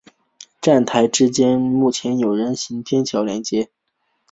站台之间目前有人行天桥连接。